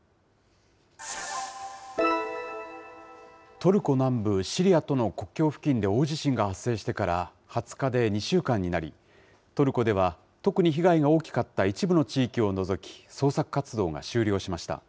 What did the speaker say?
トルコ南部、シリアとの国境付近で大地震が発生してから２０日で２週間になり、トルコでは特に被害が大きかった一部の地域を除き捜索活動が終了しました。